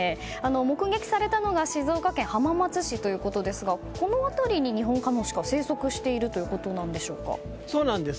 目撃されたのが静岡県浜松市ということですがこの辺りに、ニホンカモシカ生息しているそうなんです。